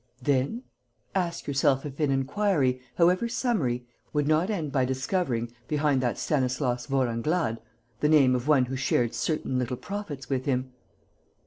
"Then? Ask yourself if an inquiry, however summary, would not end by discovering, behind that Stanislas Vorenglade, the name of one who shared certain little profits with him."